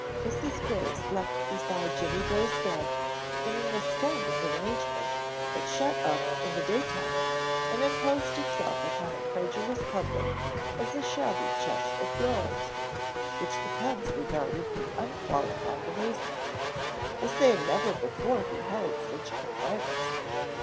Mrs. Gray slept beside Jimmy boy's bed in an astounding arrangement that shut up in the daytime and imposed itself upon a credulous public as a shabby chest of drawers, which the cubs regarded with unqualified amazement, as they had never before beheld such a contrivance.